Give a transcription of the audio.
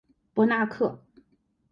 博纳克。